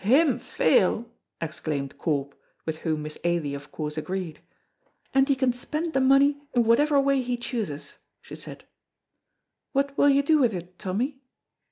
"Him fail!" exclaimed Corp, with whom Miss Ailie of course agreed. "And he can spend the money in whatever way he chooses," she said, "what will you do with it, Tommy?"